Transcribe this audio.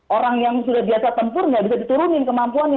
orang yang sudah biasa tempur nggak bisa diturunin kemampuannya